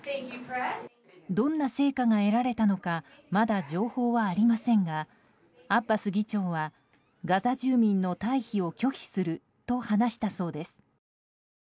どんな成果が得られたのかまだ情報はありませんがアッバス議長はガザ住民の退避を拒否すると話したそうです。